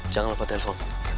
jangan lupa telepon